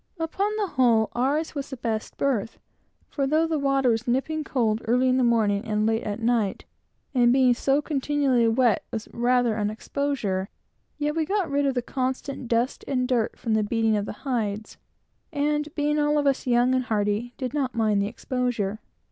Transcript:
Upon the whole, ours was the best berth; for though the water was nipping cold, early in the morning and late at night, and being so continually wet was rather an exposure, yet we got rid of the constant dust and dirt from the beating of the hides, and being all of us young and hearty, did not mind the exposure.